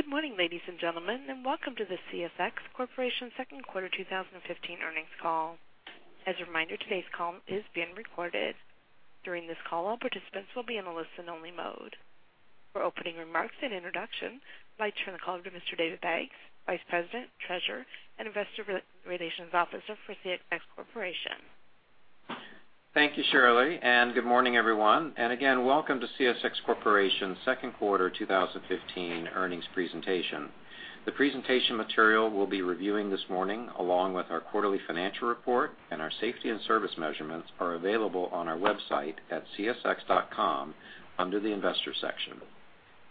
Good morning, ladies and gentlemen, and welcome to the CSX Corporation second quarter 2015 earnings call. As a reminder, today's call is being recorded. During this call, all participants will be in a listen-only mode. For opening remarks and introduction, I'd like to turn the call over to Mr. David Baggs, Vice President, Treasurer, and Investor Relations Officer for CSX Corporation. Thank you, Shirley, and good morning, everyone. And again, welcome to CSX Corporation Second Quarter 2015 Earnings Presentation. The presentation material we'll be reviewing this morning, along with our quarterly financial report and our safety and service measurements, are available on our website at csx.com under the Investor section.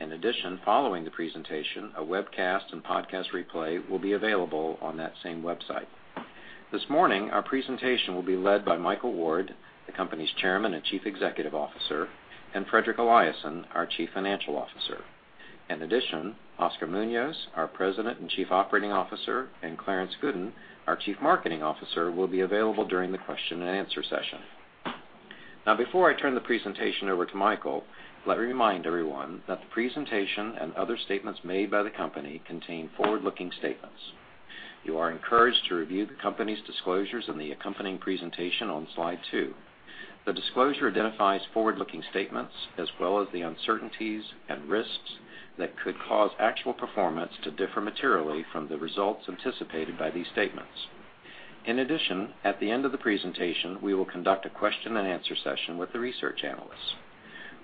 In addition, following the presentation, a webcast and podcast replay will be available on that same website. This morning, our presentation will be led by Michael Ward, the company's Chairman and Chief Executive Officer, and Fredrik Eliasson, our Chief Financial Officer. In addition, Oscar Munoz, our President and Chief Operating Officer, and Clarence Gooden, our Chief Marketing Officer, will be available during the question-and-answer session. Now, before I turn the presentation over to Michael, let me remind everyone that the presentation and other statements made by the company contain forward-looking statements. You are encouraged to review the company's disclosures in the accompanying presentation on slide two. The disclosure identifies forward-looking statements as well as the uncertainties and risks that could cause actual performance to differ materially from the results anticipated by these statements. In addition, at the end of the presentation, we will conduct a question-and-answer session with the research analysts.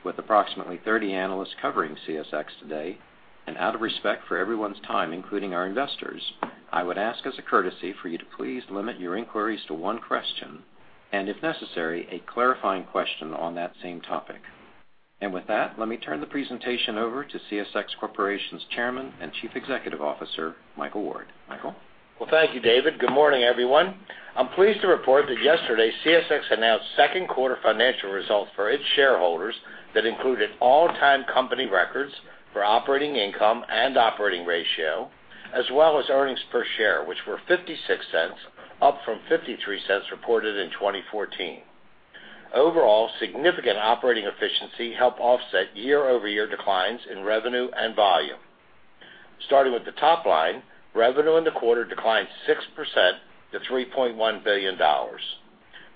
With approximately 30 analysts covering CSX today, and out of respect for everyone's time, including our investors, I would ask, as a courtesy, for you to please limit your inquiries to one question and, if necessary, a clarifying question on that same topic. With that, let me turn the presentation over to CSX Corporation's Chairman and Chief Executive Officer, Michael Ward. Michael? Well, thank you, David. Good morning, everyone. I'm pleased to report that yesterday, CSX announced second quarter financial results for its shareholders that included all-time company records for operating income and operating ratio, as well as earnings per share, which were $0.56, up from $0.53 reported in 2014. Overall, significant operating efficiency helped offset year-over-year declines in revenue and volume. Starting with the top line, revenue in the quarter declined 6% to $3.1 billion.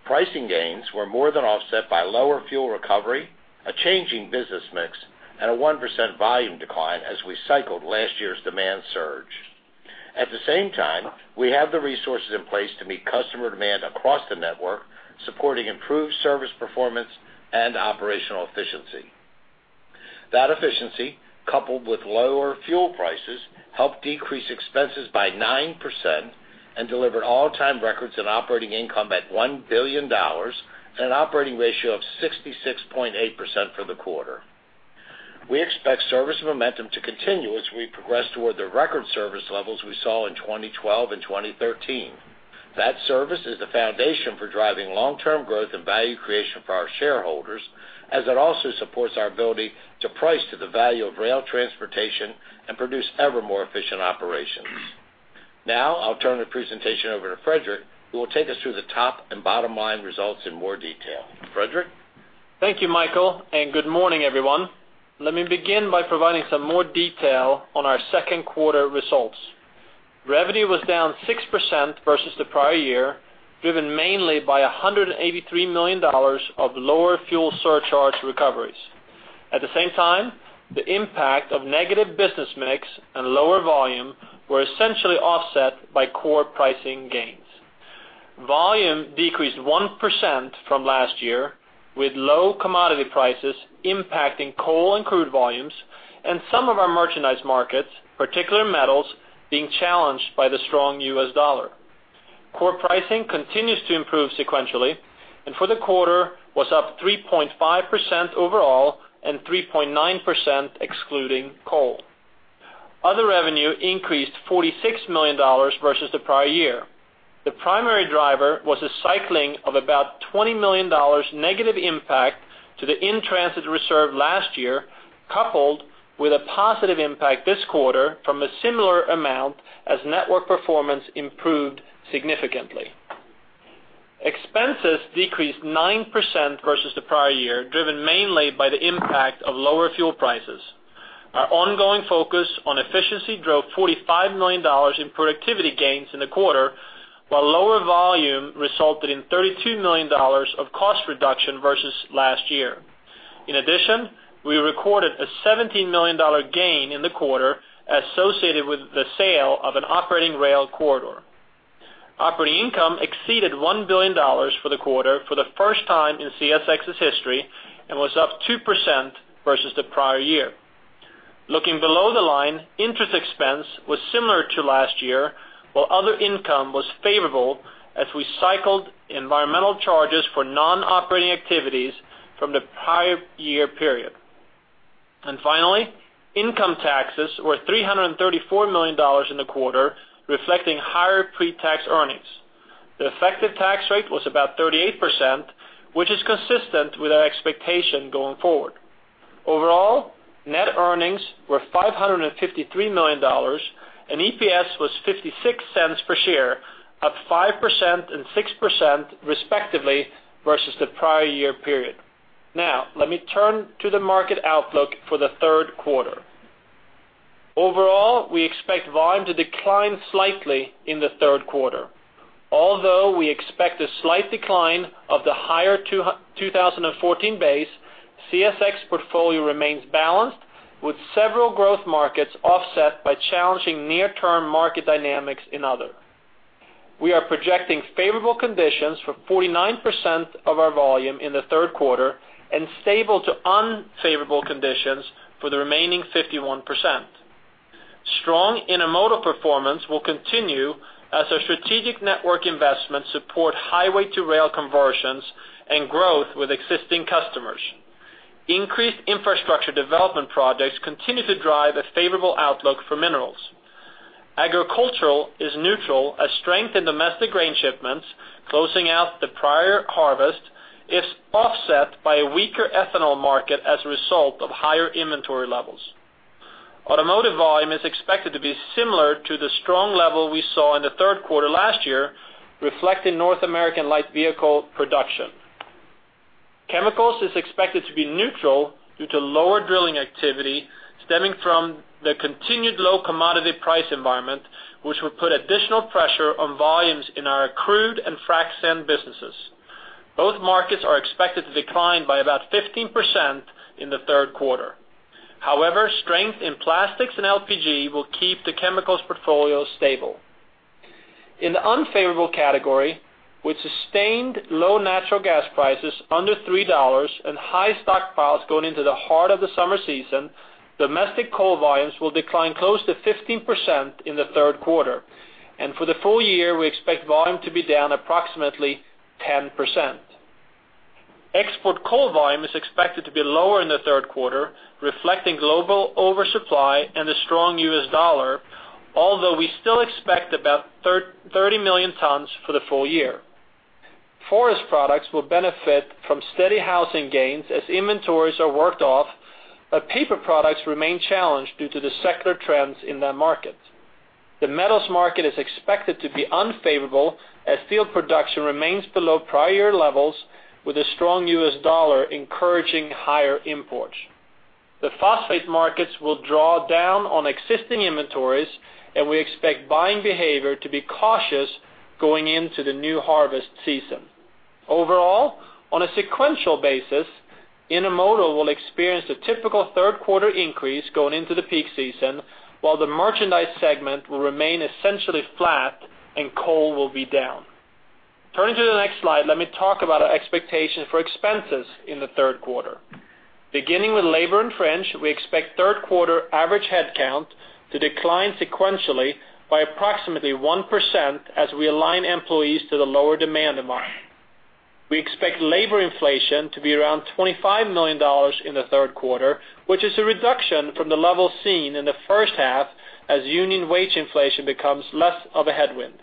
Pricing gains were more than offset by lower fuel recovery, a changing business mix, and a 1% volume decline as we cycled last year's demand surge. At the same time, we have the resources in place to meet customer demand across the network, supporting improved service performance and operational efficiency. That efficiency, coupled with lower fuel prices, helped decrease expenses by 9% and delivered all-time records in operating income at $1 billion and an operating ratio of 66.8% for the quarter. We expect service momentum to continue as we progress toward the record service levels we saw in 2012 and 2013. That service is the foundation for driving long-term growth and value creation for our shareholders, as it also supports our ability to price to the value of rail transportation and produce ever more efficient operations. Now, I'll turn the presentation over to Fredrik, who will take us through the top and bottom line results in more detail. Fredrik? Thank you, Michael, and good morning, everyone. Let me begin by providing some more detail on our second quarter results. Revenue was down 6% versus the prior year, driven mainly by $183 million of lower fuel surcharge recoveries. At the same time, the impact of negative business mix and lower volume were essentially offset by core pricing gains. Volume decreased 1% from last year, with low commodity prices impacting coal and crude volumes and some of our Merchandise markets, particularly metals, being challenged by the strong U.S. dollar. Core pricing continues to improve sequentially and for the quarter was up 3.5% overall and 3.9% excluding Coal. Other revenue increased $46 million versus the prior year. The primary driver was a cycling of about $20 million negative impact to the in-transit reserve last year, coupled with a positive impact this quarter from a similar amount as network performance improved significantly. Expenses decreased 9% versus the prior year, driven mainly by the impact of lower fuel prices. Our ongoing focus on efficiency drove $45 million in productivity gains in the quarter, while lower volume resulted in $32 million of cost reduction versus last year. In addition, we recorded a $17 million gain in the quarter associated with the sale of an operating rail corridor. Operating income exceeded $1 billion for the quarter for the first time in CSX's history and was up 2% versus the prior year. Looking below the line, interest expense was similar to last year, while other income was favorable as we cycled environmental charges for non-operating activities from the prior year period. And finally, income taxes were $334 million in the quarter, reflecting higher pre-tax earnings. The effective tax rate was about 38%, which is consistent with our expectation going forward. Overall, net earnings were $553 million and EPS was $0.56 per share, up 5% and 6% respectively versus the prior year period. Now, let me turn to the market outlook for the third quarter. Overall, we expect volume to decline slightly in the third quarter. Although we expect a slight decline of the higher 2014 base, CSX's portfolio remains balanced, with several growth markets offset by challenging near-term market dynamics in other. We are projecting favorable conditions for 49% of our volume in the third quarter and stable to unfavorable conditions for the remaining 51%. Strong Intermodal performance will continue as our strategic network investments support highway-to-rail conversions and growth with existing customers. Increased infrastructure development projects continue to drive a favorable outlook for minerals. Agriculture is neutral as strength in domestic grain shipments closing out the prior harvest is offset by a weaker ethanol market as a result of higher inventory levels. Automotive volume is expected to be similar to the strong level we saw in the third quarter last year, reflecting North American light vehicle production. Chemicals is expected to be neutral due to lower drilling activity stemming from the continued low commodity price environment, which would put additional pressure on volumes in our Crude and Frac Sand businesses. Both markets are expected to decline by about 15% in the third quarter. However, strength in plastics and LPG will keep the chemicals portfolio stable. In the unfavorable category, with sustained low natural gas prices under $3 and high stockpiles going into the heart of the summer season, domestic coal volumes will decline close to 15% in the third quarter. For the full year, we expect volume to be down approximately 10%. Export coal volume is expected to be lower in the third quarter, reflecting global oversupply and the strong U.S. dollar, although we still expect about 30 million tons for the full year. Forest products will benefit from steady housing gains as inventories are worked off, but paper products remain challenged due to the secular trends in that market. The metals market is expected to be unfavorable as steel production remains below prior year levels, with a strong U.S. dollar encouraging higher imports. The phosphate markets will draw down on existing inventories, and we expect buying behavior to be cautious going into the new harvest season. Overall, on a sequential basis, Intermodal will experience a typical third quarter increase going into the peak season, while the Merchandise segment will remain essentially flat and Coal will be down. Turning to the next slide, let me talk about our expectations for expenses in the third quarter. Beginning with labor and fringe, we expect third quarter average headcount to decline sequentially by approximately 1% as we align employees to the lower demand. We expect labor inflation to be around $25 million in the third quarter, which is a reduction from the level seen in the first half as union wage inflation becomes less of a headwind.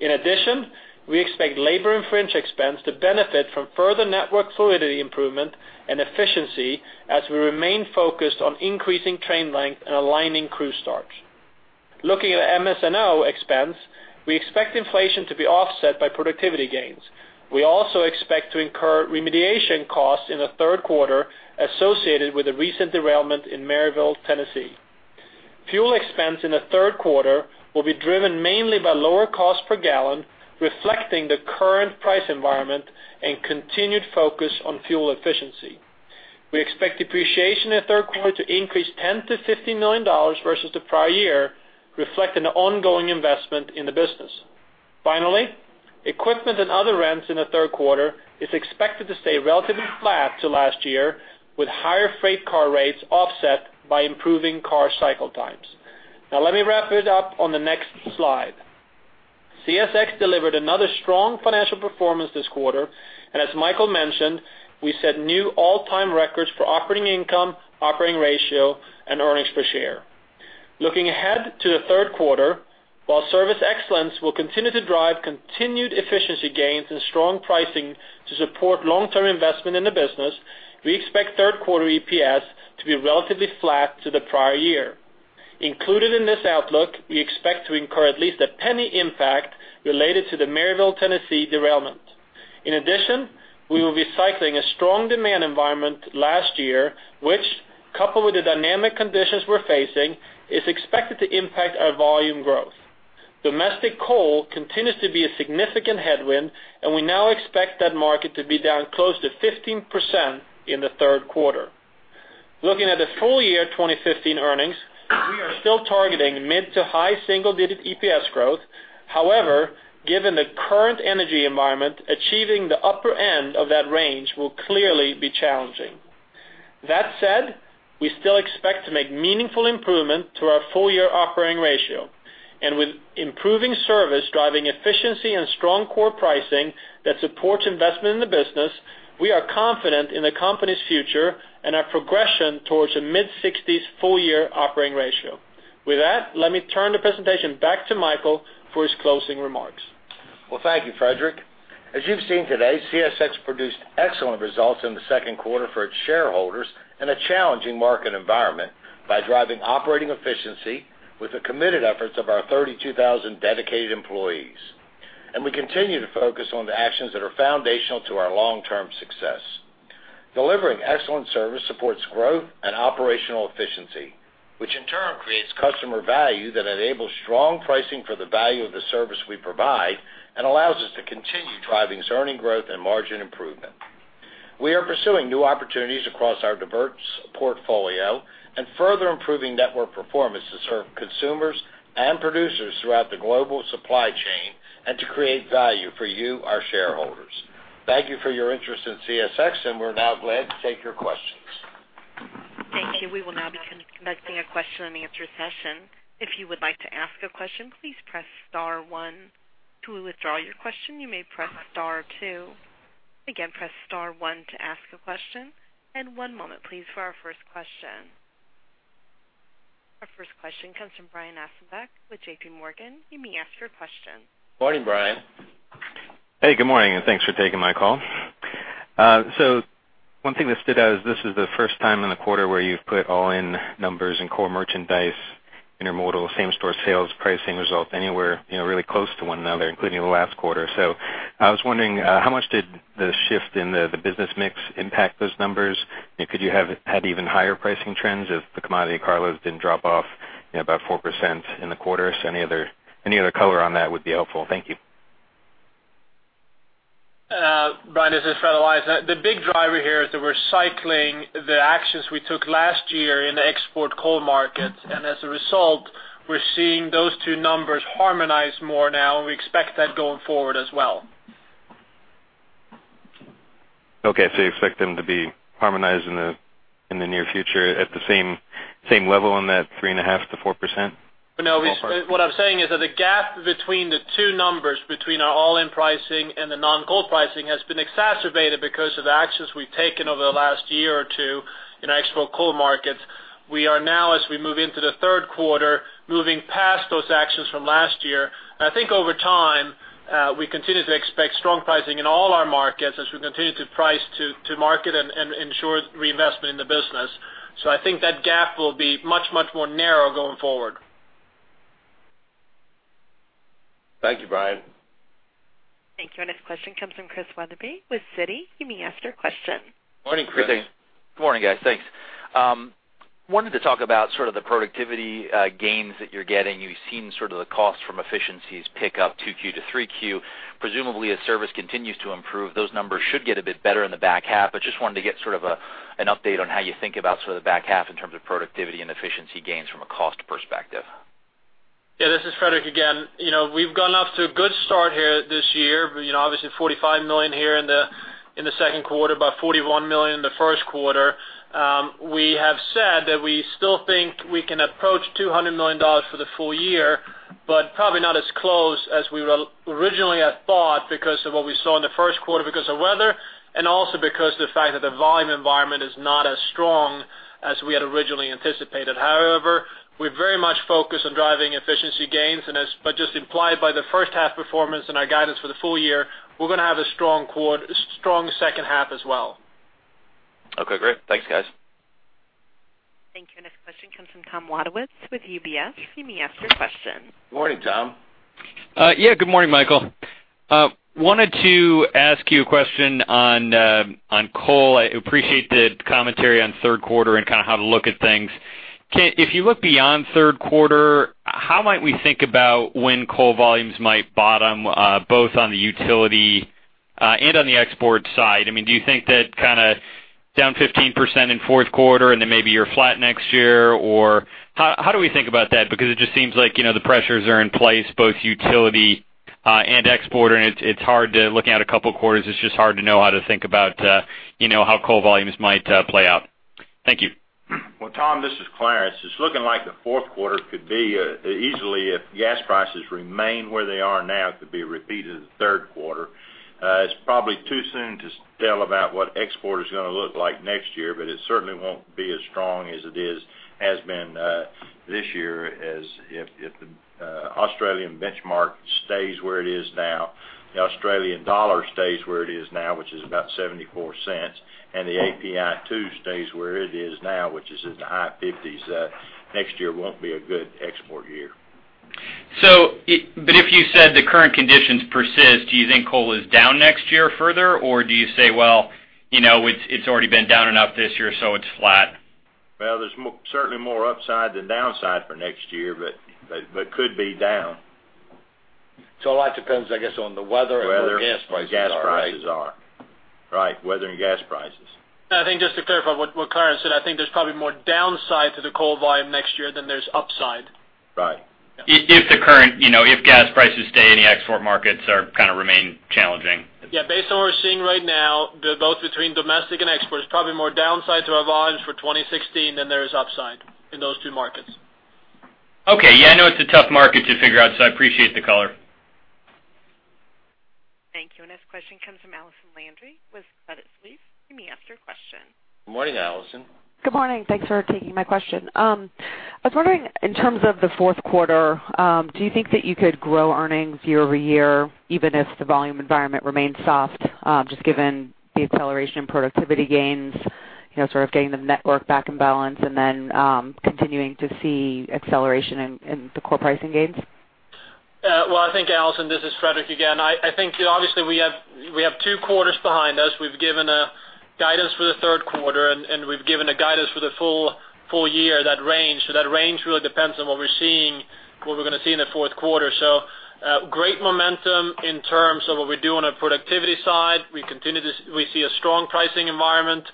In addition, we expect labor and fringe expense to benefit from further network fluidity improvement and efficiency as we remain focused on increasing train length and aligning crew starts. Looking at MS&O expense, we expect inflation to be offset by productivity gains. We also expect to incur remediation costs in the third quarter associated with a recent derailment in Maryville, Tennessee. Fuel expense in the third quarter will be driven mainly by lower cost per gallon, reflecting the current price environment and continued focus on fuel efficiency. We expect depreciation in the third quarter to increase $10 million-$15 million versus the prior year, reflecting the ongoing investment in the business. Finally, equipment and other rents in the third quarter is expected to stay relatively flat to last year, with higher freight car rates offset by improving car cycle times. Now, let me wrap it up on the next slide. CSX delivered another strong financial performance this quarter, and as Michael mentioned, we set new all-time records for operating income, operating ratio, and earnings per share. Looking ahead to the third quarter, while service excellence will continue to drive continued efficiency gains and strong pricing to support long-term investment in the business, we expect third quarter EPS to be relatively flat to the prior year. Included in this outlook, we expect to incur at least a $0.01 impact related to the Maryville, Tennessee derailment. In addition, we will be cycling a strong demand environment last year, which, coupled with the dynamic conditions we're facing, is expected to impact our volume growth. Domestic coal continues to be a significant headwind, and we now expect that market to be down close to 15% in the third quarter. Looking at the full year 2015 earnings, we are still targeting mid to high single-digit EPS growth. However, given the current energy environment, achieving the upper end of that range will clearly be challenging. That said, we still expect to make meaningful improvement to our full year operating ratio. With improving service driving efficiency and strong core pricing that supports investment in the business, we are confident in the company's future and our progression towards a mid-60s full year operating ratio. With that, let me turn the presentation back to Michael for his closing remarks. Well, thank you, Fredrik. As you've seen today, CSX produced excellent results in the second quarter for its shareholders in a challenging market environment by driving operating efficiency with the committed efforts of our 32,000 dedicated employees. We continue to focus on the actions that are foundational to our long-term success. Delivering excellent service supports growth and operational efficiency, which in turn creates customer value that enables strong pricing for the value of the service we provide and allows us to continue driving earning growth and margin improvement. We are pursuing new opportunities across our diverse portfolio and further improving network performance to serve consumers and producers throughout the global supply chain and to create value for you, our shareholders. Thank you for your interest in CSX, and we're now glad to take your questions. Thank you. We will now be conducting a question and answer session. If you would like to ask a question, please press star one to withdraw your question. You may press star two. Again, press star one to ask a question. And one moment, please, for our first question. Our first question comes from Brian Ossenbeck with JPMorgan. You may ask your question. Morning, Brian. Hey, good morning, and thanks for taking my call. So one thing that stood out is this is the first time in the quarter where you've put all-in numbers and core Merchandise, Intermodal, same-store sales, pricing results anywhere really close to one another, including the last quarter. So I was wondering how much did the shift in the business mix impact those numbers? Could you have had even higher pricing trends if the commodity car loads didn't drop off about 4% in the quarter? So any other color on that would be helpful. Thank you. Brian, this is Fredrik Eliasson. The big driver here is that we're cycling the actions we took last year in the export coal markets. As a result, we're seeing those two numbers harmonize more now, and we expect that going forward as well. Okay. So you expect them to be harmonized in the near future at the same level on that 3.5%-4%? No, what I'm saying is that the gap between the two numbers, between our all-in pricing and the non-coal pricing, has been exacerbated because of the actions we've taken over the last year or two in our export coal markets. We are now, as we move into the third quarter, moving past those actions from last year. I think over time, we continue to expect strong pricing in all our markets as we continue to price to market and ensure reinvestment in the business. I think that gap will be much, much more narrow going forward. Thank you, Brian. Thank you. Our next question comes from Chris Wetherbee with Citi. You may ask your question. Morning, Chris. Good morning, guys. Thanks. Wanted to talk about sort of the productivity gains that you're getting. You've seen sort of the costs from efficiencies pick up 2Q to 3Q. Presumably, as service continues to improve, those numbers should get a bit better in the back half. But just wanted to get sort of an update on how you think about sort of the back half in terms of productivity and efficiency gains from a cost perspective. Yeah, this is Fredrik again. We've gone off to a good start here this year. Obviously, $45 million here in the second quarter, about $41 million in the first quarter. We have said that we still think we can approach $200 million for the full year, but probably not as close as we originally had thought because of what we saw in the first quarter, because of weather, and also because of the fact that the volume environment is not as strong as we had originally anticipated. However, we're very much focused on driving efficiency gains. But just implied by the first half performance and our guidance for the full year, we're going to have a strong second half as well. Okay. Great. Thanks, guys. Thank you. Our next question comes from Tom Wadewitz with UBS. You may ask your question. Morning, Tom. Yeah, good morning, Michael. Wanted to ask you a question on Coal. I appreciate the commentary on third quarter and kind of how to look at things. If you look beyond third quarter, how might we think about when coal volumes might bottom, both on the utility and on the export side? I mean, do you think that kind of down 15% in fourth quarter, and then maybe you're flat next year? Or how do we think about that? Because it just seems like the pressures are in place, both utility and export, and it's hard to looking at a couple quarters, it's just hard to know how to think about how coal volumes might play out. Thank you. Well, Tom, this is Clarence. It's looking like the fourth quarter could be easily if gas prices remain where they are now, it could be a repeat of the third quarter. It's probably too soon to tell about what export is going to look like next year, but it certainly won't be as strong as it has been this year if the Australian benchmark stays where it is now, the Australian dollar stays where it is now, which is about $0.74, and the API2 stays where it is now, which is in the high $50s. Next year won't be a good export year. But if you said the current conditions persist, do you think Coal is down next year further? Or do you say, "Well, it's already been down enough this year, so it's flat"? Well, there's certainly more upside than downside for next year, but could be down. A lot depends, I guess, on the weather and where gas prices are. Weather, gas prices are right. Weather and gas prices. I think just to clarify what Clarence said, I think there's probably more downside to the coal volume next year than there's upside. Right. If the current gas prices stay in the export markets or kind of remain challenging. Yeah, based on what we're seeing right now, both between domestic and exports, probably more downside to our volumes for 2016 than there is upside in those two markets. Okay. Yeah, I know it's a tough market to figure out, so I appreciate the color. Thank you. Our next question comes from Allison Landry with Credit Suisse. You may ask your question. Good morning, Allison. Good morning. Thanks for taking my question. I was wondering, in terms of the fourth quarter, do you think that you could grow earnings year-over-year, even if the volume environment remains soft, just given the acceleration in productivity gains, sort of getting the network back in balance, and then continuing to see acceleration in the core pricing gains? Well, I think, Allison, this is Fredrik again. I think, obviously, we have two quarters behind us. We've given guidance for the third quarter, and we've given guidance for the full year. So that range really depends on what we're seeing, what we're going to see in the fourth quarter. So great momentum in terms of what we do on the productivity side. We see a strong pricing environment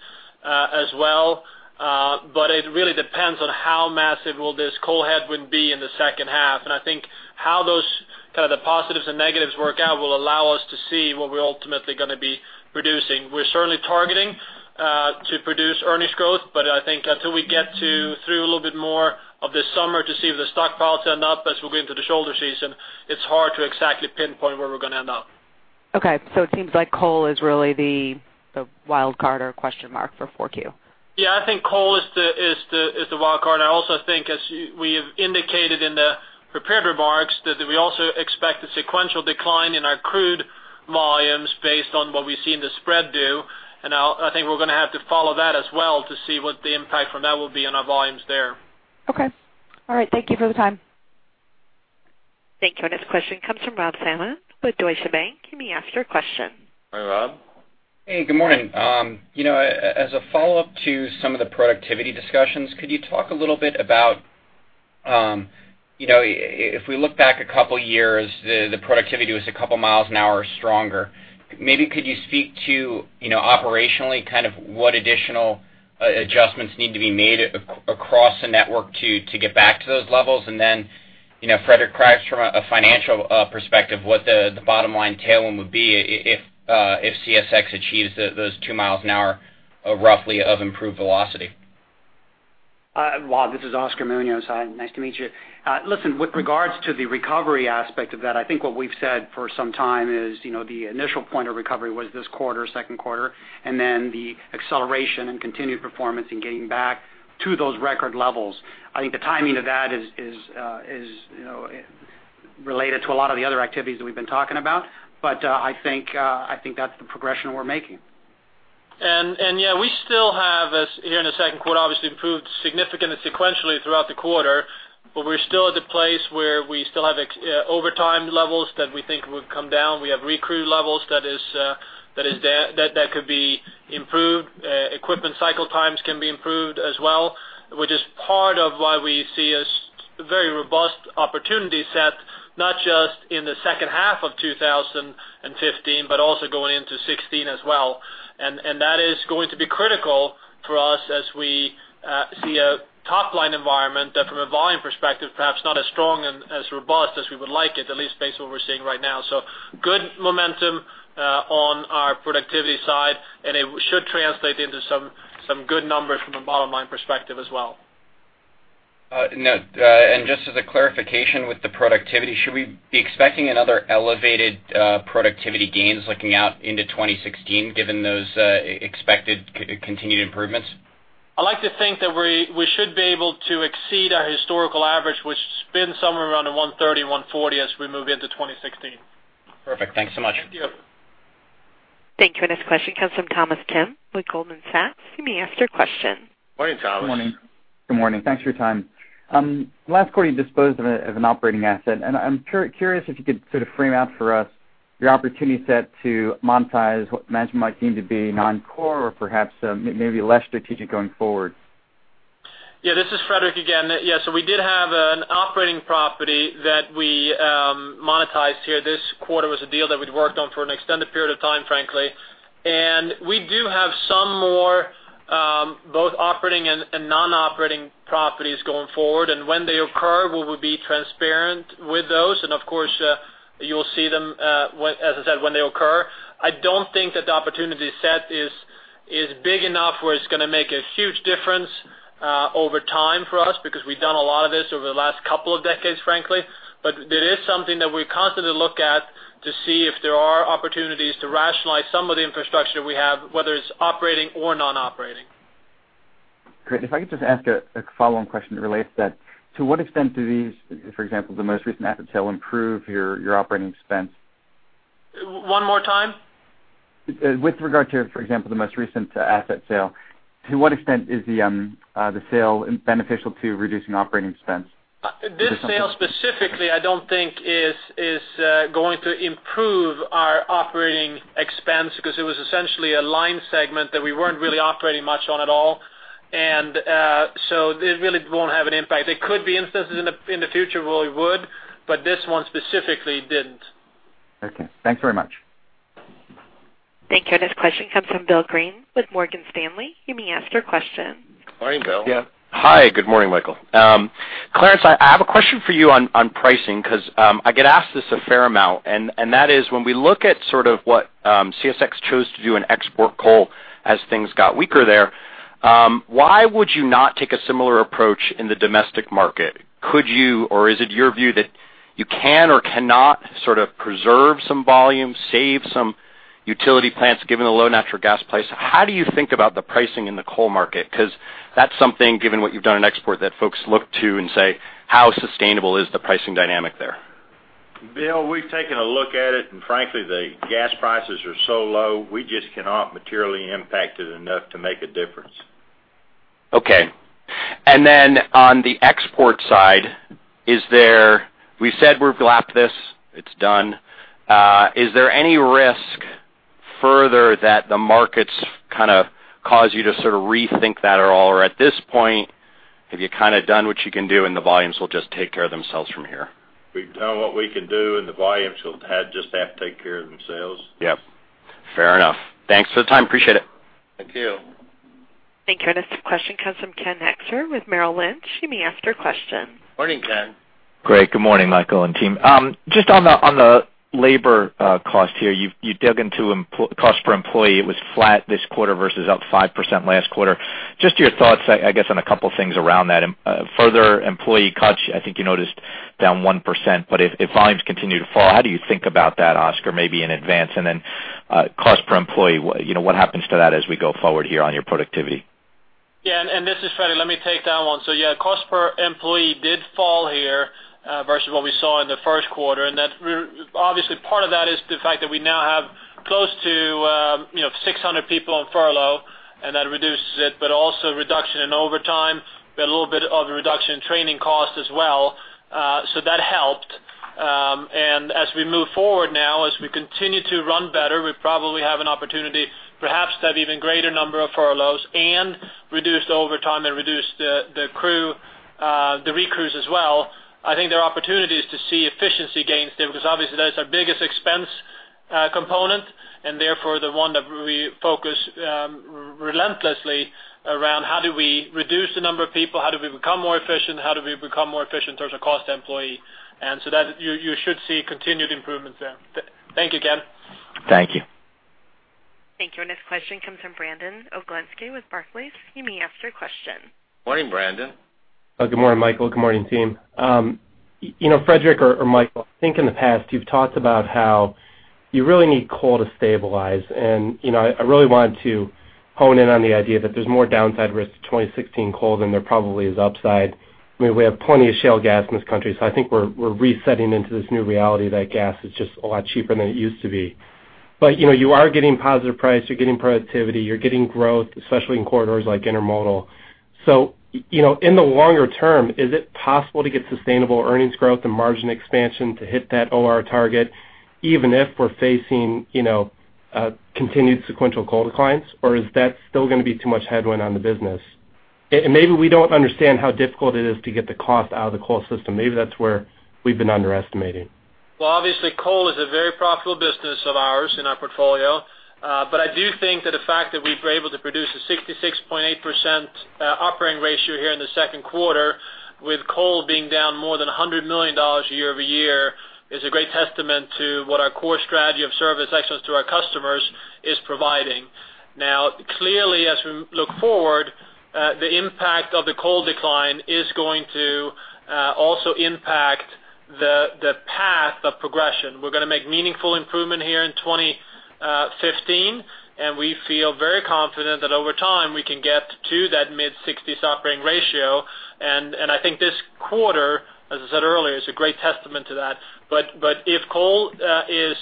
as well. But it really depends on how massive will this Coal headwind be in the second half? And I think how those kind of the positives and negatives work out will allow us to see what we're ultimately going to be producing. We're certainly targeting to produce earnings growth, but I think until we get through a little bit more of the summer to see if the stockpiles end up as we go into the shoulder season, it's hard to exactly pinpoint where we're going to end up. Okay. So it seems like Coal is really the wild card or question mark for 4Q. Yeah, I think Coal is the wild card. I also think, as we have indicated in the prepared remarks, that we also expect a sequential decline in our crude volumes based on what we see in the spread, too. And I think we're going to have to follow that as well to see what the impact from that will be on our volumes there. Okay. All right. Thank you for the time. Thank you. Our next question comes from Rob Salmon with Deutsche Bank. You may ask your question. Hi, Rob. Hey, good morning. As a follow-up to some of the productivity discussions, could you talk a little bit about if we look back a couple years, the productivity was a couple miles an hour stronger? Maybe could you speak to, operationally, kind of what additional adjustments need to be made across the network to get back to those levels? And then, Fredrik Eliasson from a financial perspective, what the bottom line tailwind would be if CSX achieves those two miles an hour, roughly, of improved velocity? Well, this is Oscar Munoz. Nice to meet you. Listen, with regards to the recovery aspect of that, I think what we've said for some time is the initial point of recovery was this quarter, second quarter, and then the acceleration and continued performance in getting back to those record levels. I think the timing of that is related to a lot of the other activities that we've been talking about. But I think that's the progression we're making. Yeah, we still have here in the second quarter, obviously, improved significantly sequentially throughout the quarter. But we're still at the place where we still have overtime levels that we think would come down. We have recruit levels that could be improved. Equipment cycle times can be improved as well, which is part of why we see a very robust opportunity set, not just in the second half of 2015, but also going into 2016 as well. And that is going to be critical for us as we see a top-line environment that, from a volume perspective, perhaps not as strong and as robust as we would like it, at least based on what we're seeing right now. So good momentum on our productivity side, and it should translate into some good numbers from a bottom line perspective as well. Just as a clarification with the productivity, should we be expecting another elevated productivity gains looking out into 2016, given those expected continued improvements? I like to think that we should be able to exceed our historical average, which has been somewhere around the 130-140 as we move into 2016. Perfect. Thanks so much. Thank you. Thank you. Our next question comes from Thomas Kim with Goldman Sachs. You may ask your question. Morning, Thomas. Good morning. Thanks for your time. The last quarter you disposed of an operating asset. I'm curious if you could sort of frame out for us your opportunity set to monetize what management might deem to be non-core or perhaps maybe less strategic going forward. Yeah, this is Fredrik again. Yeah, so we did have an operating property that we monetized here. This quarter was a deal that we'd worked on for an extended period of time, frankly. We do have some more, both operating and non-operating properties going forward. When they occur, we will be transparent with those. Of course, you'll see them, as I said, when they occur. I don't think that the opportunity set is big enough where it's going to make a huge difference over time for us because we've done a lot of this over the last couple of decades, frankly. It is something that we constantly look at to see if there are opportunities to rationalize some of the infrastructure that we have, whether it's operating or non-operating. Great. And if I could just ask a follow-on question that relates to that, to what extent do these, for example, the most recent asset sale, improve your operating expense? One more time? With regard to, for example, the most recent asset sale, to what extent is the sale beneficial to reducing operating expense? This sale, specifically, I don't think is going to improve our operating expense because it was essentially a line segment that we weren't really operating much on at all. And so it really won't have an impact. There could be instances in the future where it would, but this one specifically didn't. Okay. Thanks very much. Thank you. Our next question comes from Bill Greene with Morgan Stanley. You may ask your question. Morning, Bill. Hi. Good morning, Michael. Clarence, I have a question for you on pricing because I get asked this a fair amount. And that is, when we look at sort of what CSX chose to do in export coal as things got weaker there, why would you not take a similar approach in the domestic market? Could you, or is it your view that you can or cannot sort of preserve some volume, save some utility plants given the low natural gas price? How do you think about the pricing in the Coal market? Because that's something, given what you've done in export, that folks look to and say, "How sustainable is the pricing dynamic there? Bill, we've taken a look at it, and frankly, the gas prices are so low, we just cannot materially impact it enough to make a difference. Okay. And then on the export side, we've said we've lapped this. It's done. Is there any risk further that the markets kind of cause you to sort of rethink that at all? Or at this point, have you kind of done what you can do, and the volumes will just take care of themselves from here? We've done what we can do, and the volumes will just have to take care of themselves. Yep. Fair enough. Thanks for the time. Appreciate it. Thank you. Thank you. Our next question comes from Ken Hoexter with Merrill Lynch. You may ask your question. Morning, Ken. Great. Good morning, Michael and team. Just on the labor cost here, you've dug into cost per employee. It was flat this quarter versus up 5% last quarter. Just your thoughts, I guess, on a couple things around that. Further employee cuts, I think you noticed, down 1%. But if volumes continue to fall, how do you think about that, Oscar? Maybe in advance. And then cost per employee, what happens to that as we go forward here on your productivity? Yeah. This is Fredrik. Let me take that one. So yeah, cost per employee did fall here versus what we saw in the first quarter. And obviously, part of that is the fact that we now have close to 600 people on furlough, and that reduces it. But also reduction in overtime. We had a little bit of a reduction in training costs as well. So that helped. And as we move forward now, as we continue to run better, we probably have an opportunity perhaps to have an even greater number of furloughs and reduced overtime and reduced the recruits as well. I think there are opportunities to see efficiency gains there because, obviously, that is our biggest expense component and, therefore, the one that we focus relentlessly around. How do we reduce the number of people? How do we become more efficient? How do we become more efficient in terms of cost to employee? And so you should see continued improvements there. Thank you, Ken. Thank you. Thank you. Our next question comes from Brandon Oglenski with Barclays. You may ask your question. Morning, Brandon. Good morning, Michael. Good morning, team. Fredrik or Michael, I think in the past, you've talked about how you really need Coal to stabilize. I really wanted to hone in on the idea that there's more downside risk to 2016 Coal than there probably is upside. I mean, we have plenty of shale gas in this country. I think we're resetting into this new reality that gas is just a lot cheaper than it used to be. But you are getting positive price. You're getting productivity. You're getting growth, especially in corridors like Intermodal. In the longer term, is it possible to get sustainable earnings growth and margin expansion to hit that OR target, even if we're facing continued sequential Coal declines? Or is that still going to be too much headwind on the business? And maybe we don't understand how difficult it is to get the cost out of the Coal system. Maybe that's where we've been underestimating. Well, obviously, Coal is a very profitable business of ours in our portfolio. But I do think that the fact that we've been able to produce a 66.8% operating ratio here in the second quarter, with Coal being down more than $100 million year-over-year, is a great testament to what our core strategy of service excellence to our customers is providing. Now, clearly, as we look forward, the impact of the Coal decline is going to also impact the path of progression. We're going to make meaningful improvement here in 2015. And we feel very confident that over time, we can get to that mid-60s operating ratio. And I think this quarter, as I said earlier, is a great testament to that. But if Coal is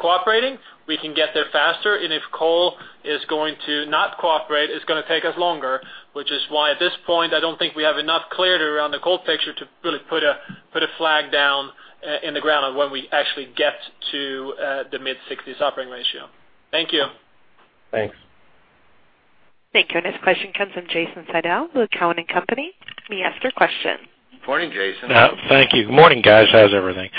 cooperating, we can get there faster. If Coal is going to not cooperate, it's going to take us longer, which is why at this point, I don't think we have enough clarity around the Coal picture to really put a flag down in the ground on when we actually get to the mid-60s operating ratio. Thank you. Thanks. Thank you. Our next question comes from Jason Seidl with Cowen & Company. You may ask your question. Morning, Jason. Thank you. Good morning, guys. How's everything?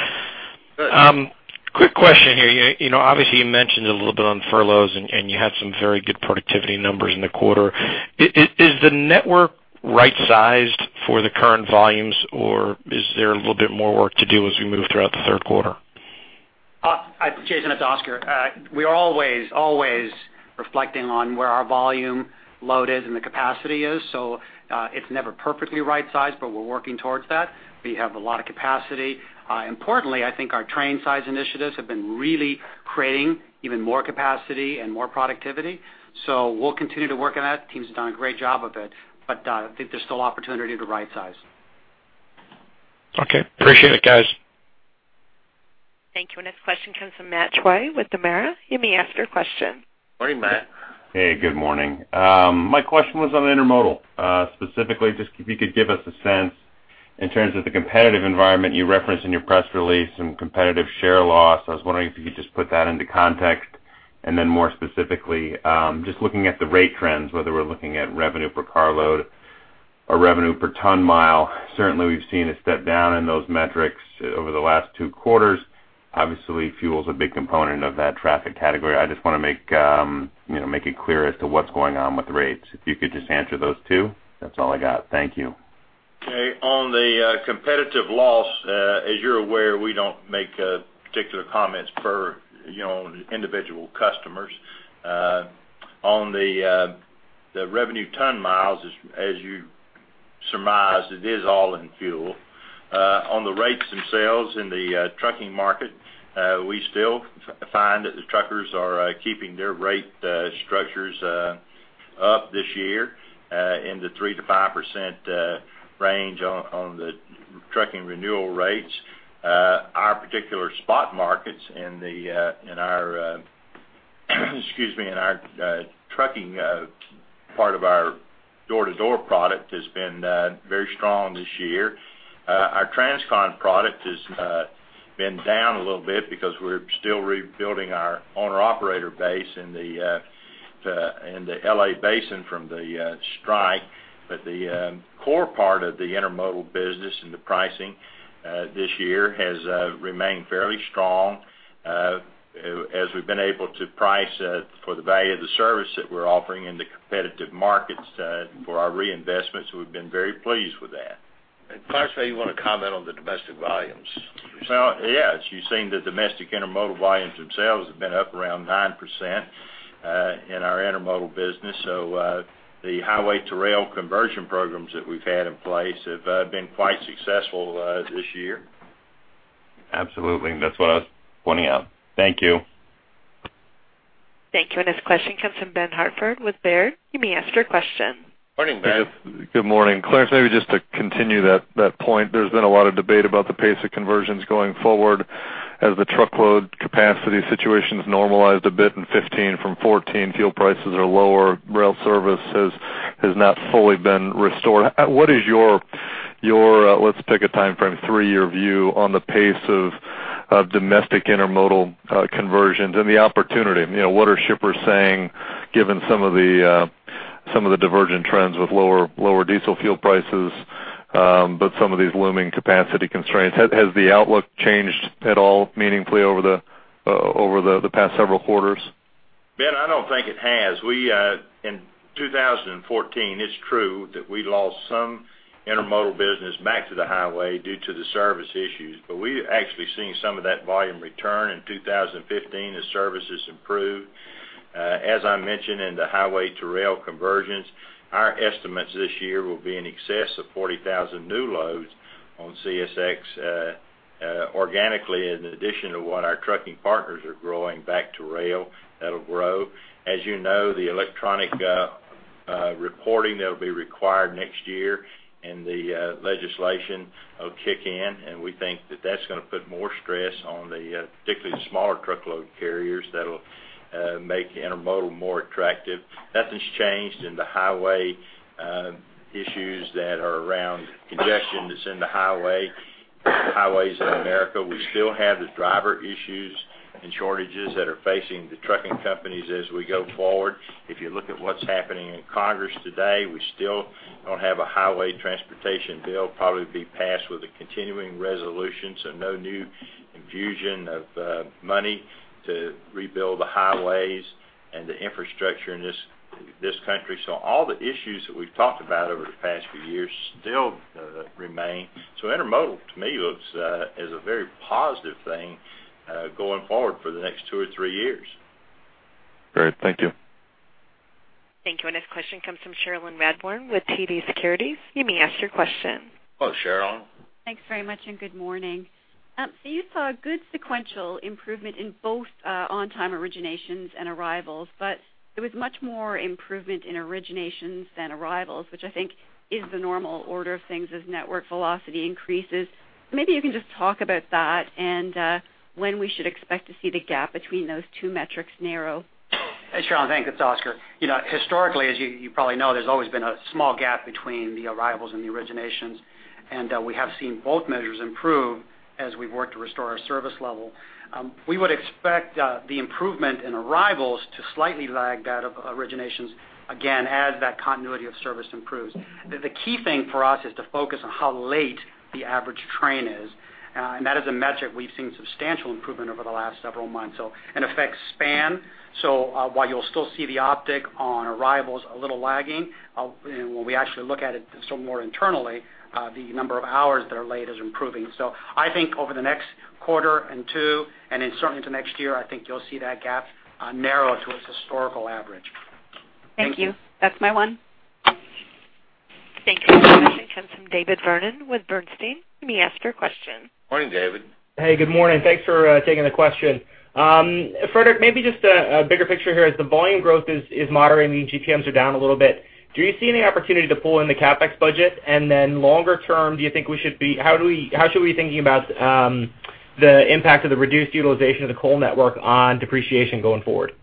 Quick question here. Obviously, you mentioned a little bit on furloughs, and you had some very good productivity numbers in the quarter. Is the network right-sized for the current volumes, or is there a little bit more work to do as we move throughout the third quarter? Jason, it's Oscar. We are always, always reflecting on where our volume load is and the capacity is. So it's never perfectly right-sized, but we're working towards that. We have a lot of capacity. Importantly, I think our train-size initiatives have been really creating even more capacity and more productivity. So we'll continue to work on that. The team's done a great job of it. But I think there's still opportunity to right-size. Okay. Appreciate it, guys. Thank you. Our next question comes from Matt Troy with Nomura. You may ask your question. Morning, Matt. Hey, good morning. My question was on Intermodal. Specifically, just if you could give us a sense in terms of the competitive environment you referenced in your press release and competitive share loss, I was wondering if you could just put that into context. And then more specifically, just looking at the rate trends, whether we're looking at revenue per carload or revenue per ton-mile, certainly, we've seen a step down in those metrics over the last two quarters. Obviously, fuel's a big component of that traffic category. I just want to make it clear as to what's going on with rates. If you could just answer those two, that's all I got. Thank you. Okay. On the competitive loss, as you're aware, we don't make particular comments per individual customers. On the Revenue Ton-Miles, as you surmised, it is all in fuel. On the rates themselves in the trucking market, we still find that the truckers are keeping their rate structures up this year in the 3%-5% range on the trucking renewal rates. Our particular spot markets in our, excuse me, in our trucking part of our door-to-door product has been very strong this year. Our Transcon product has been down a little bit because we're still rebuilding our owner-operator base in the LA basin from the strike. But the core part of the Intermodal business and the pricing this year has remained fairly strong as we've been able to price for the value of the service that we're offering in the competitive markets for our reinvestments. We've been very pleased with that. Clarence, maybe you want to comment on the domestic volumes. Well, yes. You've seen the domestic Intermodal volumes themselves have been up around 9% in our Intermodal business. So the highway-to-rail conversion programs that we've had in place have been quite successful this year. Absolutely. That's what I was pointing out. Thank you. Thank you. Our next question comes from Ben Hartford with Baird. You may ask your question. Morning, Baird. Good morning. Clarence, maybe just to continue that point, there's been a lot of debate about the pace of conversions going forward as the truckload capacity situation's normalized a bit in 2015 from 2014. Fuel prices are lower. Rail service has not fully been restored. What is your - let's pick a time frame - three-year view on the pace of domestic Intermodal conversions and the opportunity? What are shippers saying given some of the divergent trends with lower diesel fuel prices but some of these looming capacity constraints? Has the outlook changed at all meaningfully over the past several quarters? Ben, I don't think it has. In 2014, it's true that we lost some Intermodal business back to the highway due to the service issues. But we've actually seen some of that volume return in 2015 as services improved. As I mentioned in the highway-to-rail conversions, our estimates this year will be in excess of 40,000 new loads on CSX organically, in addition to what our trucking partners are growing back to rail. That'll grow. As you know, the electronic reporting that'll be required next year and the legislation will kick in. And we think that that's going to put more stress on particularly the smaller truckload carriers. That'll make Intermodal more attractive. Nothing's changed in the highway issues that are around congestion that's in the highways in America. We still have the driver issues and shortages that are facing the trucking companies as we go forward. If you look at what's happening in Congress today, we still don't have a highway transportation bill. It'll probably be passed with a continuing resolution. So no new infusion of money to rebuild the highways and the infrastructure in this country. So all the issues that we've talked about over the past few years still remain. So Intermodal, to me, looks as a very positive thing going forward for the next two or three years. Great. Thank you. Thank you. Our next question comes from Cherilyn Radbourne with TD Securities. You may ask your question. Hello, Cherilyn. Thanks very much, and good morning. You saw a good sequential improvement in both on-time originations and arrivals. There was much more improvement in originations than arrivals, which I think is the normal order of things as network velocity increases. Maybe you can just talk about that and when we should expect to see the gap between those two metrics narrow? Hey, Cherilyn. Thanks. It's Oscar. Historically, as you probably know, there's always been a small gap between the arrivals and the originations. We have seen both measures improve as we've worked to restore our service level. We would expect the improvement in arrivals to slightly lag that of originations again as that continuity of service improves. The key thing for us is to focus on how late the average train is. That is a metric we've seen substantial improvement over the last several months. So it affects span. While you'll still see the optic on arrivals a little lagging, when we actually look at it some more internally, the number of hours that are late is improving. So I think over the next quarter and two and then certainly into next year, I think you'll see that gap narrow to its historical average. Thank you. That's my one. Thank you very much. It comes from David Vernon with Bernstein. You may ask your question. Morning, David. Hey, good morning. Thanks for taking the question. Fredrik, maybe just a bigger picture here. As the volume growth is moderate, meaning GTMs are down a little bit, do you see any opportunity to pull in the CapEx budget? And then longer term, do you think we should be how should we be thinking about the impact of the reduced utilization of the Coal network on depreciation going forward?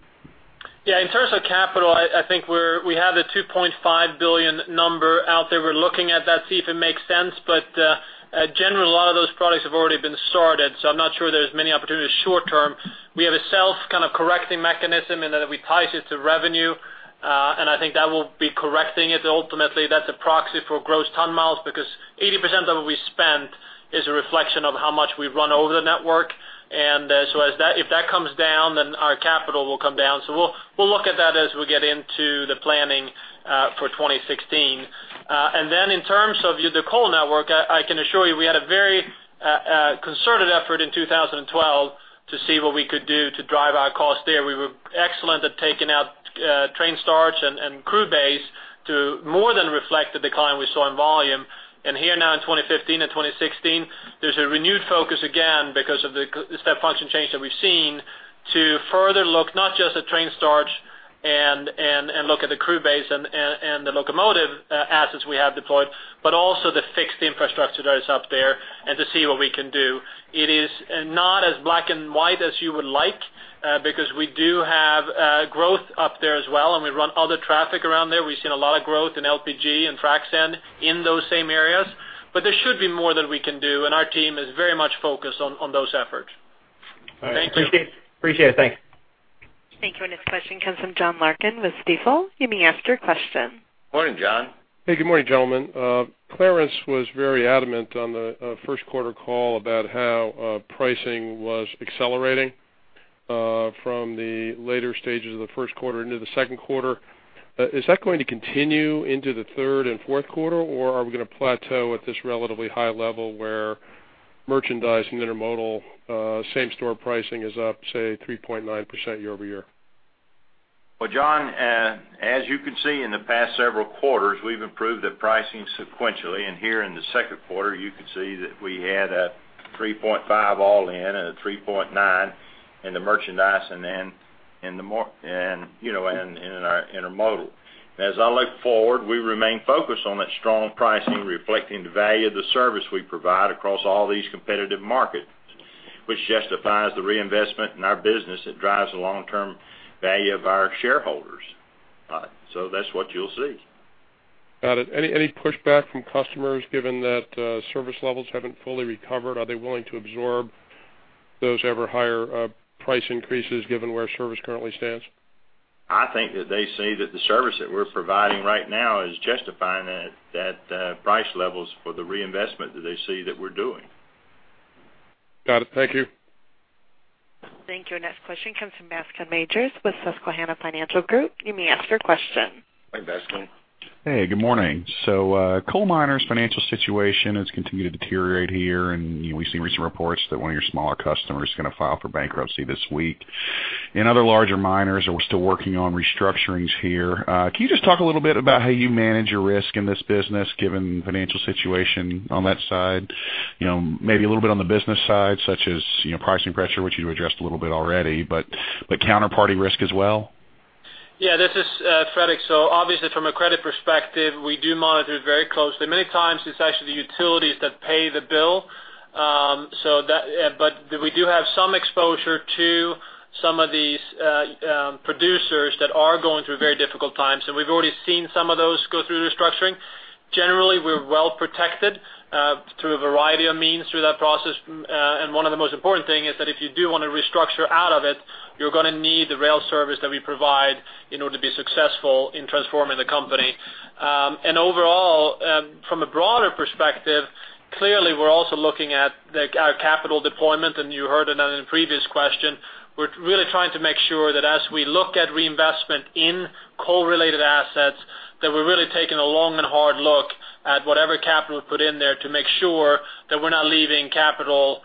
Yeah. In terms of capital, I think we have the $2.5 billion number out there. We're looking at that to see if it makes sense. But generally, a lot of those products have already been started. So I'm not sure there's many opportunities short term. We have a self-kind of correcting mechanism in that we tie it to revenue. And I think that will be correcting it. Ultimately, that's a proxy for gross ton-miles because 80% of what we spend is a reflection of how much we run over the network. And so if that comes down, then our capital will come down. So we'll look at that as we get into the planning for 2016. And then in terms of the Coal network, I can assure you we had a very concerted effort in 2012 to see what we could do to drive our costs there. We were excellent at taking out train starts and crew base to more than reflect the decline we saw in volume. Here now in 2015 and 2016, there's a renewed focus again because of the step function change that we've seen to further look not just at train starts and look at the crew base and the locomotive assets we have deployed but also the fixed infrastructure that is up there and to see what we can do. It is not as black and white as you would like because we do have growth up there as well. We run other traffic around there. We've seen a lot of growth in LPG and frac sand in those same areas. But there should be more that we can do. Our team is very much focused on those efforts. Thank you. Thank you. Appreciate it. Thanks. Thank you. Our next question comes from John Larkin with Stifel. You may ask your question. Morning, John. Hey, good morning, gentlemen. Clarence was very adamant on the first-quarter call about how pricing was accelerating from the later stages of the first quarter into the second quarter. Is that going to continue into the third and fourth quarter? Or are we going to plateau at this relatively high level where Merchandise and Intermodal same-store pricing is up, say, 3.9% year-over-year? Well, John, as you can see, in the past several quarters, we've improved the pricing sequentially. Here in the second quarter, you could see that we had a 3.5% all-in and a 3.9% in the Merchandise and then in the more and in our Intermodal. As I look forward, we remain focused on that strong pricing reflecting the value of the service we provide across all these competitive markets, which justifies the reinvestment in our business that drives the long-term value of our shareholders. So that's what you'll see. Got it. Any pushback from customers given that service levels haven't fully recovered? Are they willing to absorb those ever-higher price increases given where service currently stands? I think that they see that the service that we're providing right now is justifying that price levels for the reinvestment that they see that we're doing. Got it. Thank you. Thank you. Our next question comes from Bascome Majors with Susquehanna Financial Group. You may ask your question. Hi, Bascome. Hey, good morning. Coal miners' financial situation has continued to deteriorate here. We've seen recent reports that one of your smaller customers is going to file for bankruptcy this week. Other larger miners, we're still working on restructurings here. Can you just talk a little bit about how you manage your risk in this business given the financial situation on that side? Maybe a little bit on the business side such as pricing pressure, which you've addressed a little bit already, but counterparty risk as well? Yeah. This is Fredrik. So obviously, from a credit perspective, we do monitor it very closely. Many times, it's actually the utilities that pay the bill. But we do have some exposure to some of these producers that are going through very difficult times. And we've already seen some of those go through restructuring. Generally, we're well protected through a variety of means through that process. And one of the most important things is that if you do want to restructure out of it, you're going to need the rail service that we provide in order to be successful in transforming the company. And overall, from a broader perspective, clearly, we're also looking at our capital deployment. And you heard it in the previous question. We're really trying to make sure that as we look at reinvestment in coal-related assets, that we're really taking a long and hard look at whatever capital we put in there to make sure that we're not leaving capital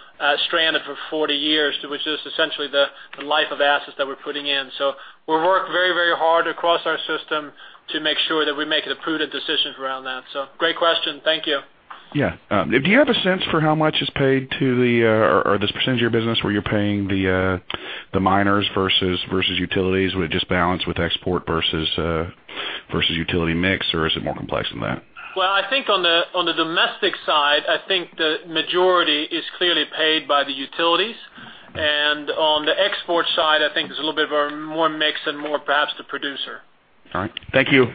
stranded for 40 years, which is essentially the life of assets that we're putting in. So we work very, very hard across our system to make sure that we make the prudent decisions around that. So great question. Thank you. Yeah. Do you have a sense for how much is paid to the or this percentage of your business where you're paying the miners versus utilities? Would it just balance with export versus utility mix? Or is it more complex than that? Well, I think on the domestic side, I think the majority is clearly paid by the utilities. On the export side, I think there's a little bit more mix and more perhaps the producer. All right. Thank you.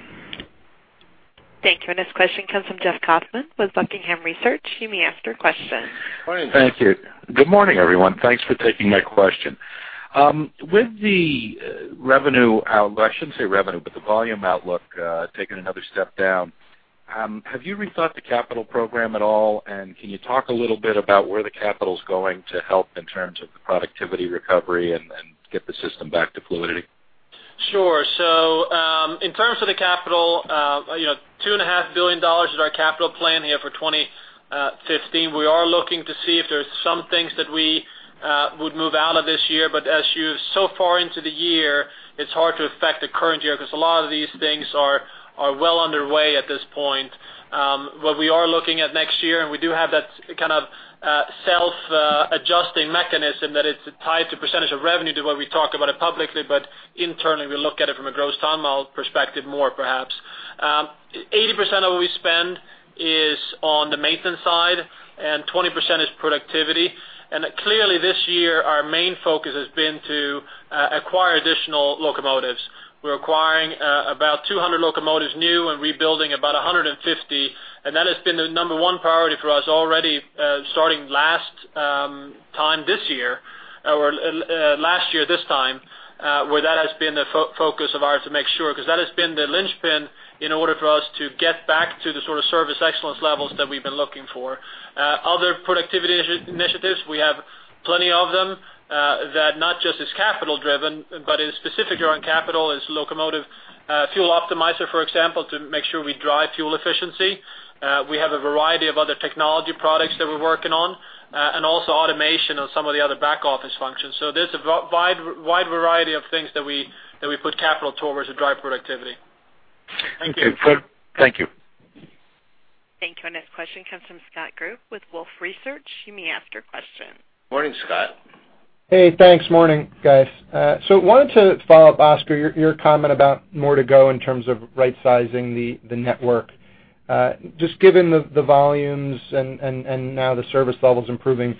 Thank you. Our next question comes from Jeff Kauffman with Buckingham Research. You may ask your question. Morning. Thank you. Good morning, everyone. Thanks for taking my question. With the revenue outlook I shouldn't say revenue, but the volume outlook taken another step down, have you rethought the capital program at all? And can you talk a little bit about where the capital's going to help in terms of the productivity recovery and get the system back to fluidity? Sure. So in terms of the capital, $2.5 billion is our capital plan here for 2015. We are looking to see if there are some things that we would move out of this year. But as you've so far into the year, it's hard to affect the current year because a lot of these things are well underway at this point. What we are looking at next year and we do have that kind of self-adjusting mechanism that it's tied to percentage of revenue to what we talk about it publicly. But internally, we look at it from a gross ton-mile perspective more perhaps. 80% of what we spend is on the maintenance side. And 20% is productivity. And clearly, this year, our main focus has been to acquire additional locomotives. We're acquiring about 200 locomotives new and rebuilding about 150. That has been the number one priority for us already starting last time this year or last year this time where that has been the focus of ours to make sure because that has been the linchpin in order for us to get back to the sort of service excellence levels that we've been looking for. Other productivity initiatives, we have plenty of them that not just is capital-driven but is specifically around capital. It's Locomotive Fuel Optimizer, for example, to make sure we drive fuel efficiency. We have a variety of other technology products that we're working on and also automation on some of the other back-office functions. So there's a wide variety of things that we put capital towards to drive productivity. Thank you. Okay. Thank you. Thank you. Our next question comes from Scott Group with Wolfe Research. You may ask your question. Morning, Scott. Hey, thanks. Morning, guys. So wanted to follow up, Oscar, your comment about more to go in terms of right-sizing the network. Just given the volumes and now the service levels improving,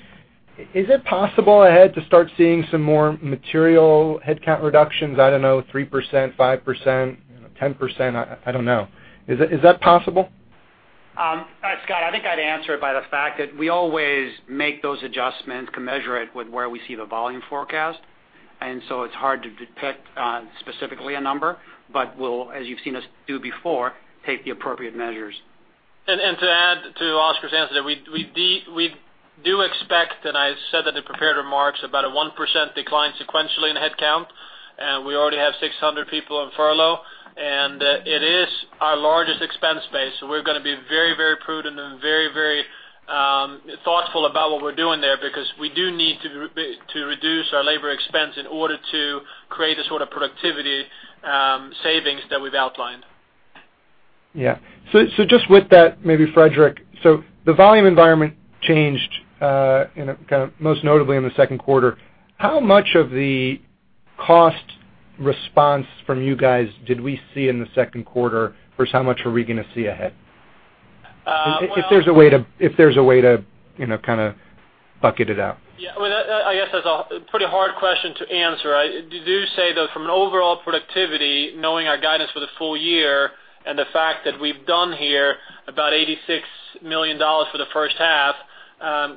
is it possible ahead to start seeing some more material headcount reductions? I don't know, 3%, 5%, 10%. I don't know. Is that possible? Scott, I think I'd answer it by the fact that we always make those adjustments to measure it with where we see the volume forecast. And so it's hard to detect specifically a number. But we'll, as you've seen us do before, take the appropriate measures. To add to Oscar's answer there, we do expect, and I said that in prepared remarks, about a 1% decline sequentially in headcount. We already have 600 people on furlough. It is our largest expense base. So we're going to be very, very prudent and very, very thoughtful about what we're doing there because we do need to reduce our labor expense in order to create the sort of productivity savings that we've outlined. Yeah. So just with that, maybe, Fredrik, so the volume environment changed kind of most notably in the second quarter. How much of the cost response from you guys did we see in the second quarter versus how much are we going to see ahead? If there's a way to kind of bucket it out. Yeah. Well, I guess that's a pretty hard question to answer. I do say that from an overall productivity, knowing our guidance for the full year and the fact that we've done here about $86 million for the first half,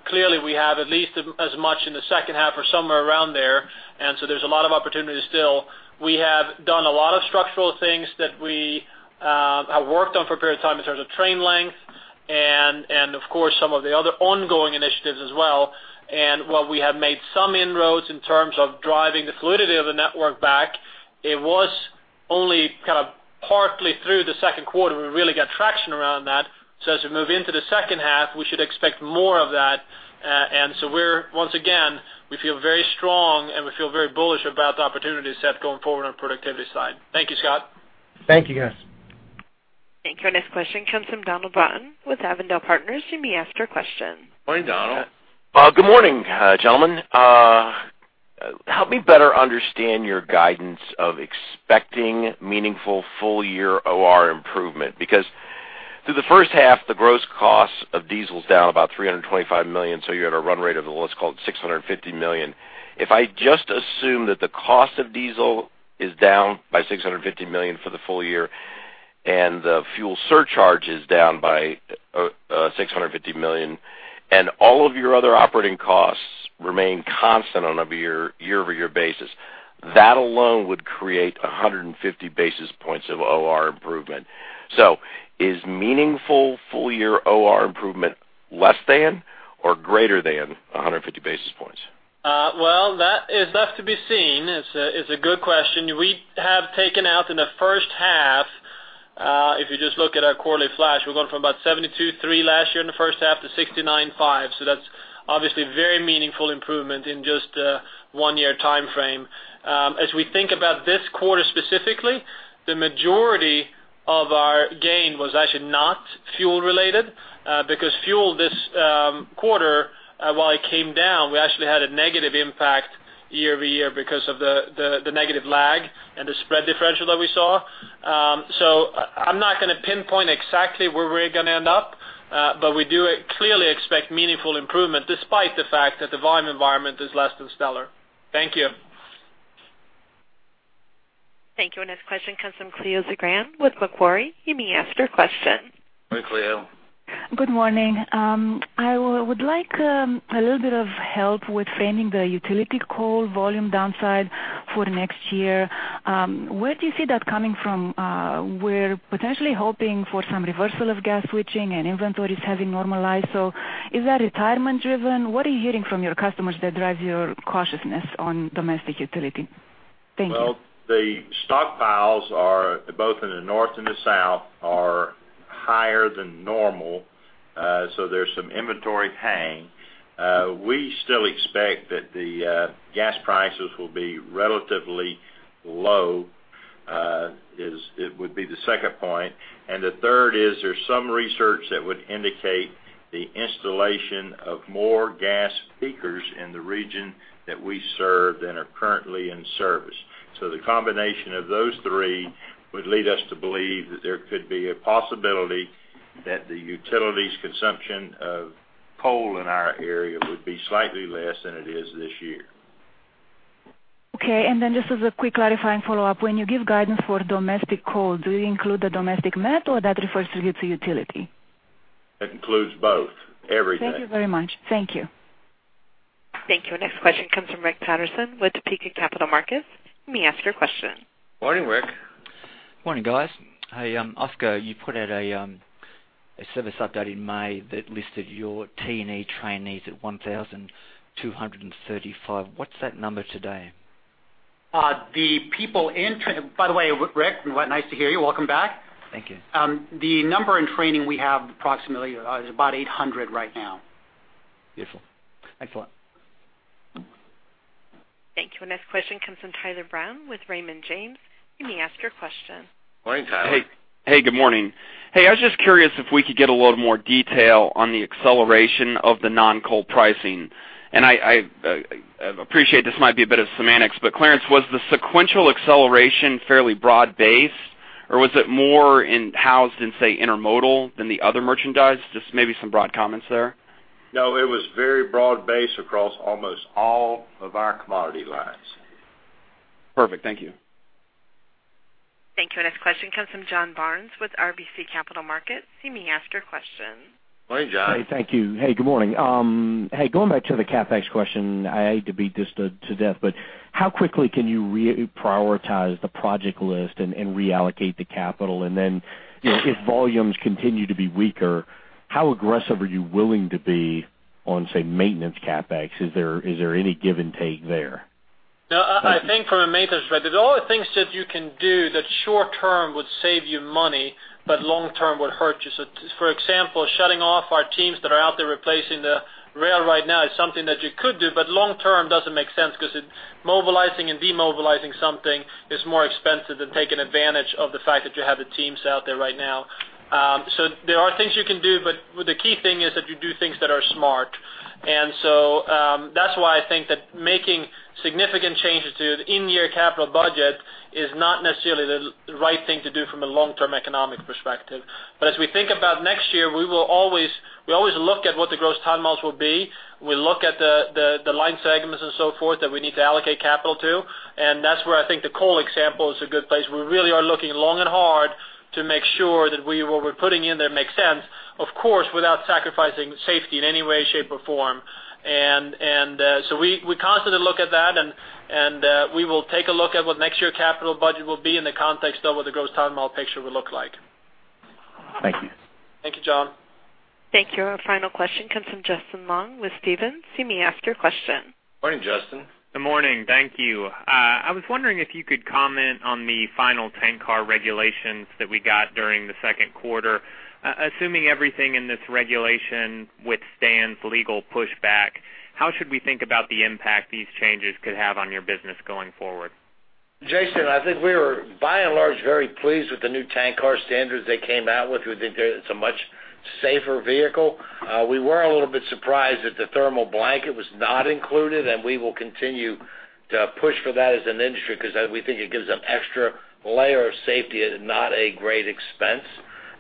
clearly, we have at least as much in the second half or somewhere around there. And so there's a lot of opportunity still. We have done a lot of structural things that we have worked on for a period of time in terms of train length and, of course, some of the other ongoing initiatives as well. And while we have made some inroads in terms of driving the fluidity of the network back, it was only kind of partly through the second quarter we really got traction around that. So as we move into the second half, we should expect more of that. Once again, we feel very strong. We feel very bullish about the opportunity set going forward on the productivity side. Thank you, Scott. Thank you, guys. Thank you. Our next question comes from Donald Broughton with Avondale Partners. You may ask your question. Morning, Donald. Good morning, gentlemen. Help me better understand your guidance of expecting meaningful full-year OR improvement because through the first half, the gross cost of diesel is down about $325 million. So you had a run rate of, let's call it, $650 million. If I just assume that the cost of diesel is down by $650 million for the full year and the fuel surcharge is down by $650 million and all of your other operating costs remain constant on a year-over-year basis, that alone would create 150 basis points of OR improvement. So is meaningful full-year OR improvement less than or greater than 150 basis points? Well, that is left to be seen. It's a good question. We have taken out in the first half if you just look at our quarterly flash, we're going from about 72.3 last year in the first half to 69.5. So that's obviously very meaningful improvement in just a one-year time frame. As we think about this quarter specifically, the majority of our gain was actually not fuel-related because fuel this quarter, while it came down, we actually had a negative impact year-over-year because of the negative lag and the spread differential that we saw. So I'm not going to pinpoint exactly where we're going to end up. But we do clearly expect meaningful improvement despite the fact that the volume environment is less than stellar. Thank you. Thank you. Our next question comes from Cleo Zagrean with Macquarie. You may ask your question. Hi, Cleo. Good morning. I would like a little bit of help with framing the utility coal volume downside for next year. Where do you see that coming from? We're potentially hoping for some reversal of gas switching and inventories having normalized. So is that retirement-driven? What are you hearing from your customers that drives your cautiousness on domestic utility? Thank you. Well, the stockpiles both in the north and the south are higher than normal. So there's some inventory hang. We still expect that the gas prices will be relatively low. It would be the second point. And the third is there's some research that would indicate the installation of more gas peakers in the region that we serve than are currently in service. So the combination of those three would lead us to believe that there could be a possibility that the utilities' consumption of coal in our area would be slightly less than it is this year. Okay. And then just as a quick clarifying follow-up, when you give guidance for domestic coal, do you include the domestic met, or that refers to utility? It includes both, everything. Thank you very much. Thank you. Thank you. Our next question comes from Rick Paterson with Topeka Capital Markets. You may ask your question. Morning, Rick. Morning, guys. Hey, Oscar, you put out a service update in May that listed your T&E trainees at 1,235. What's that number today? The pleasure is mine, by the way, Rick. It's nice to hear you. Welcome back. Thank you. The number in training we have approximately is about 800 right now. Beautiful. Excellent. Thank you. Our next question comes from Tyler Brown with Raymond James. You may ask your question. Morning, Tyler. Hey. Hey, good morning. I was just curious if we could get a little more detail on the acceleration of the non-coal pricing. I appreciate this might be a bit of semantics. But Clarence, was the sequential acceleration fairly broad-based? Or was it more housed in, say, Intermodal than the other Merchandise? Just maybe some broad comments there. No, it was very broad-based across almost all of our commodity lines. Perfect. Thank you. Thank you. Our next question comes from John Barnes with RBC Capital Markets. You may ask your question. Morning, John. Hey, thank you. Hey, good morning. Hey, going back to the CapEx question, I hate to beat this to death. But how quickly can you reprioritize the project list and reallocate the capital? And then if volumes continue to be weaker, how aggressive are you willing to be on, say, maintenance CapEx? Is there any give and take there? No, I think from a maintenance ready there are things that you can do that short-term would save you money but long-term would hurt you. So for example, shutting off our teams that are out there replacing the rail right now is something that you could do. But long-term, it doesn't make sense because mobilizing and demobilizing something is more expensive than taking advantage of the fact that you have the teams out there right now. So there are things you can do. But the key thing is that you do things that are smart. And so that's why I think that making significant changes to in-year capital budget is not necessarily the right thing to do from a long-term economic perspective. But as we think about next year, we always look at what the gross ton-miles will be. We look at the line segments and so forth that we need to allocate capital to. That's where I think the Coal example is a good place. We really are looking long and hard to make sure that what we're putting in there makes sense, of course, without sacrificing safety in any way, shape, or form. So we constantly look at that. We will take a look at what next year capital budget will be in the context of what the gross ton-mile picture will look like. Thank you. Thank you, John. Thank you. Our final question comes from Justin Long with Stephens. You may ask your question. Morning, Justin. Good morning. Thank you. I was wondering if you could comment on the final tank car regulations that we got during the second quarter. Assuming everything in this regulation withstands legal pushback, how should we think about the impact these changes could have on your business going forward? Justin, I think we were, by and large, very pleased with the new tank car standards they came out with. We think it's a much safer vehicle. We were a little bit surprised that the thermal blanket was not included. And we will continue to push for that as an industry because we think it gives an extra layer of safety and not a great expense.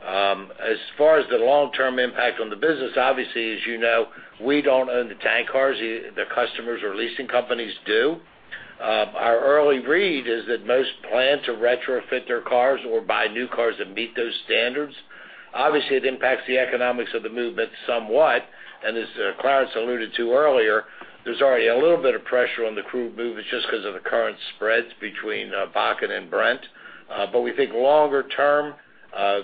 As far as the long-term impact on the business, obviously, as you know, we don't own the tank cars. The customers or leasing companies do. Our early read is that most plan to retrofit their cars or buy new cars that meet those standards. Obviously, it impacts the economics of the movement somewhat. And as Clarence alluded to earlier, there's already a little bit of pressure on the crude to move just because of the current spreads between Bakken and Brent. We think longer-term,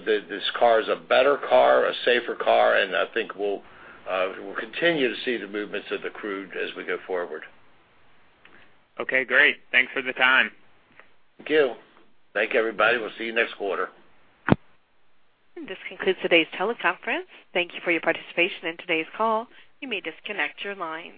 this car is a better car, a safer car. I think we'll continue to see the movements of the crew as we go forward. Okay. Great. Thanks for the time. Thank you. Thank everybody. We'll see you next quarter. This concludes today's teleconference. Thank you for your participation in today's call. You may disconnect your line.